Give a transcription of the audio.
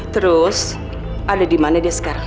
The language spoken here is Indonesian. terus ada di mana dia sekarang